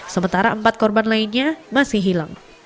sementara empat korban lainnya masih hilang